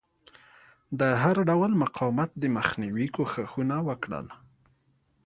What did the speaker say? د هر ډول مقاومت د مخنیوي کوښښونه وکړل.